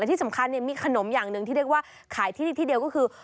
แต่ที่สำคัญมีขนมอย่างหนึ่งที่เรียกว่าขายที่นี่ที่เดียวก็คือ